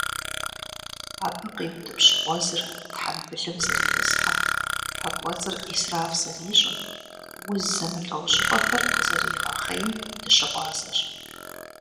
Абы къиутӀыпщ гъуэзыр тхьэмбылым зэритӀысхьэм, пэ кӀуэцӀыр Ӏисраф зэрищӀым, уз зэмылӀэужьыгъуэхэр къызэригъэхъейм дыщыгъуазэщ.